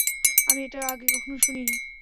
আমি এটা আগে কখনো শুনিনি।